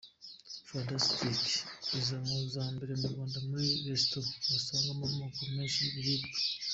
Fantastic iza mu za mbere mu Rwanda muri Resitora wasangamo amoko menshi y’ibiribwa.